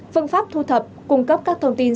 phương pháp thu thập cung cấp các thông tin